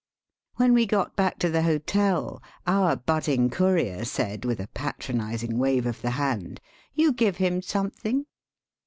When we got back to the hotel our budding courier said, with a patronizing wave of the hand —^' You give him something